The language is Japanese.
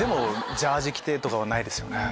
ジャージ着てとかないですよね。